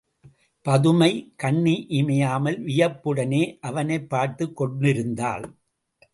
பதுமை கண்ணிமையாமல் வியப்புடனே அவனைப் பார்த்துக் கொண்டிருந்தாள்.